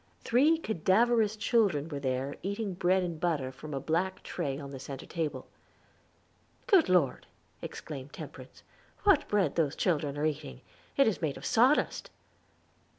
Three cadaverous children were there eating bread and butter from a black tray on the center table. "Good Lord!" exclaimed Temperance, "what bread those children are eating! It is made of sawdust."